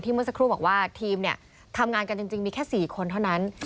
เมื่อสักครู่บอกว่าทีมเนี่ยทำงานกันจริงมีแค่๔คนเท่านั้น